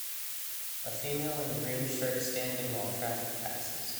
A female in a green shirt standing while traffic passes.